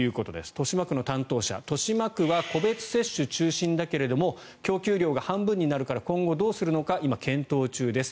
豊島区の担当者豊島区は個別接種中心だけど供給量が半分になるから今後どうするのか今、検討中です